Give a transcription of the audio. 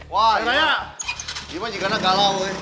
wah gimana kalau kalah